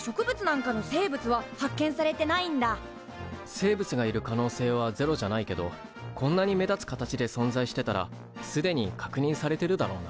生物がいる可能性はゼロじゃないけどこんなに目立つ形で存在してたらすでに確認されてるだろうな。